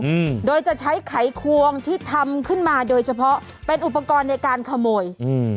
อืมโดยจะใช้ไขควงที่ทำขึ้นมาโดยเฉพาะเป็นอุปกรณ์ในการขโมยอืม